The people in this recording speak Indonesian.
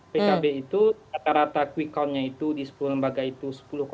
pkb itu rata rata quick countnya itu di sepuluh lembaga itu sepuluh delapan puluh satu